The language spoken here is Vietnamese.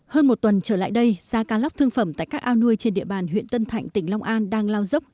hơn một tuần trở lại đây giá cá lóc thương phẩm tại các ao nuôi trên địa bàn huyện tân thạnh tỉnh long an đang lao dốc